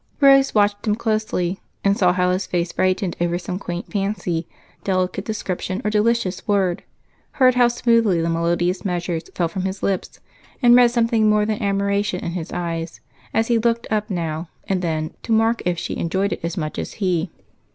Rose watched him closely and saw how his face brightened over some quaint fancy, delicate description, or delicious word; heard how smoothly the melodious measures fell from his lips, and read something more than admiration in his eyes as he looked up now and then to mark if she enjoyed it as much as he.